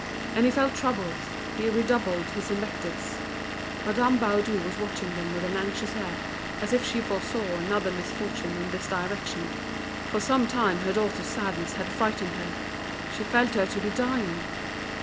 And he felt troubled, he redoubled his invectives. Madame Baudu was watching them with an anxious air, as if she foresaw another misfortune in this direction. For some time her daughter's sadness had frightened her, she felt her to be dying.